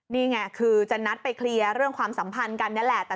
นี่ไงคือจะนัดไปเคลียร์เรื่องความสัมพันธ์กันนี่แหละ